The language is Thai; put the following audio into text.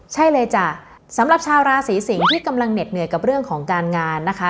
ใช่เลยจ้ะสำหรับชาวราศีสิงศ์ที่กำลังเหน็ดเหนื่อยกับเรื่องของการงานนะคะ